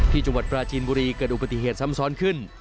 จังหวัดปราจีนบุรีเกิดอุบัติเหตุซ้ำซ้อนขึ้น